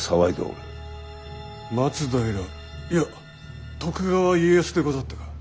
松平いや徳川家康でござったか。